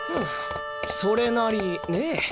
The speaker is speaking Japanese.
それなりね。